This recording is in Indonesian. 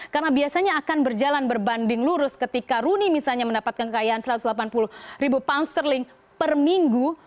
karena biasanya akan berjalan berbanding lurus ketika rooney misalnya mendapatkan kekayaan satu ratus delapan puluh ribu pound sterling per minggu